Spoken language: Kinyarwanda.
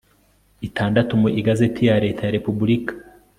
itandatu mu Igazeti ya Leta ya Repubulika